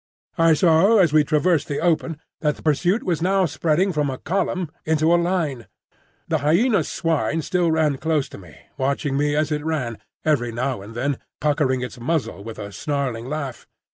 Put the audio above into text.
I saw as we traversed the open that the pursuit was now spreading from a column into a line. The Hyena swine still ran close to me, watching me as it ran, every now and then puckering its muzzle with a snarling laugh.